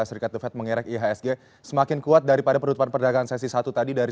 serikat levet mengerek ihsg semakin kuat daripada penutupan perdagangan sesi satu tadi dari satu empat puluh tujuh